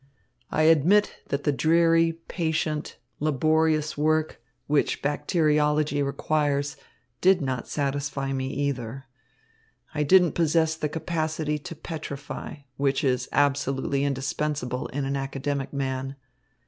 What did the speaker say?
I admit that the dreary, patient, laborious work, which bacteriology requires, did not satisfy me, either. I didn't possess the capacity to petrify, which is absolutely indispensable in an academic man.